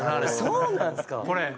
そうなんですか！？